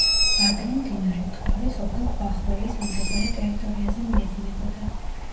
ადრე, მდინარე მტკვარი, სოფელ ქვახვრელის მიმდებარე ტერიტორიაზე მიედინებოდა.